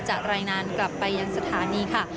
รายงานกลับไปยังสถานีค่ะ